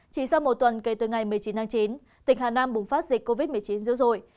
chỉ sau một tuần kể từ ngày một mươi chín tháng chín tỉnh hà nam bùng phát dịch covid một mươi chín dữ dội